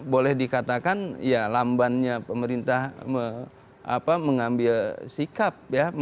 boleh dikatakan lambannya pemerintah mengambil sikap